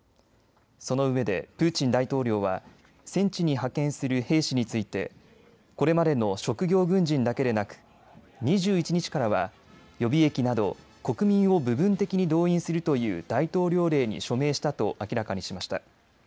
そのうえでプーチン大統領は戦地に派遣する兵士についてこれまでの職業軍人だけでなく２１日からは予備役など国民を部分的に動員するという大統領令に署名したと明らかにしました。